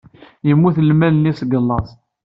Yemmut lmal-nni seg laẓ.